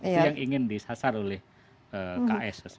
itu yang ingin disasar oleh kss